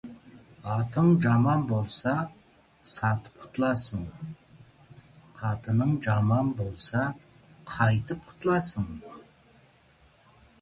Атың жаман болса, сатып құтыларсың, қатының жаман болса, қайтіп құтыларсың?!